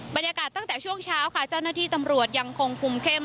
บรรยากาศตั้งแต่ช่วงเช้าค่ะเจ้าหน้าที่ตำรวจยังคงคุมเข้ม